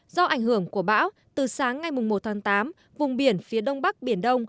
do ảnh hưởng của bão từ sáng ngày một tháng tám vùng biển phía đông bắc biển đông